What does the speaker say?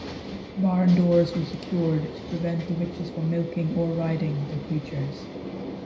Barn doors were secured to prevent the witches from milking or riding the creatures.